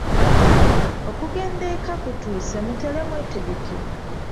Okugenda eka kutuuse mutere mwetegeke.